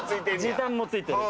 「時短」も付いてる。